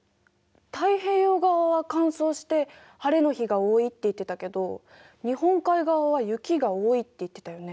太平洋側は乾燥して晴れの日が多いって言ってたけど日本海側は雪が多いって言ってたよね。